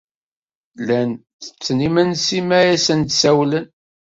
Llan tetten imensi mi asen-d-sawlen.